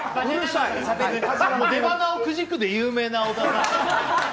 出鼻をくじくで有名な太田さん。